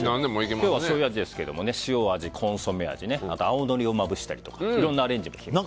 今日はしょうゆ味ですけど塩味、コンソメ味青のりをまぶしたりとかいろんなアレンジも利きます。